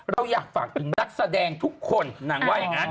เราอยากฝากถึงนักแสดงทุกคนนางว่าอย่างนั้น